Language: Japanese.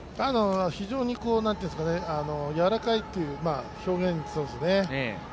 非常に柔らかいという表現、そうですね。